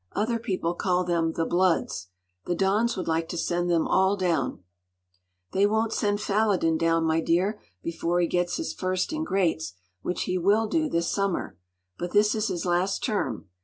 Other people call them ‘the bloods.’ The dons would like to send them all down.” “They won’t send Falloden down, my dear, before he gets his First in Greats, which he will do this summer. But this is his last term.